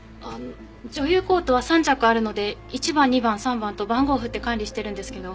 女優コートは３着あるので１番２番３番と番号を振って管理してるんですけど。